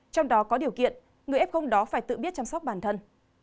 trong đó có điều kiện người f đó phải tự biết chăm sóc bản thân